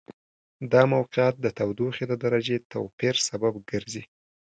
دا موقعیت د تودوخې د درجې توپیر سبب ګرځي.